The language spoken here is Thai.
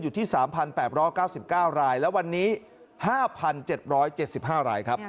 อยู่ที่๓๘๙๙รายและวันนี้๕๗๗๕รายครับ